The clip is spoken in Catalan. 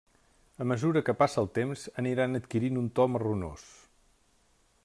A mesura que passa el temps aniran adquirint un to marronós.